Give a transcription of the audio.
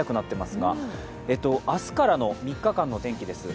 明日からの３日間の天気です。